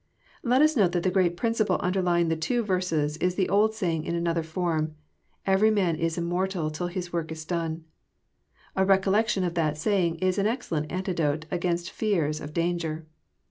Let Qs note that the great principle underlying the two verses is the old saying in another form, " Every man is immortal till his work is done." A recollection of that saying is an excellent antidote against fears of danger.